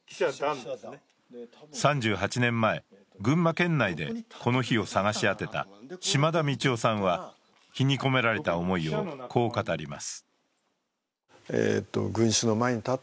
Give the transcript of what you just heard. ３８年前、群馬県内でこの碑を探し当てた嶋田道雄さんは碑に込められた思いをこう語ります。